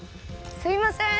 すいません！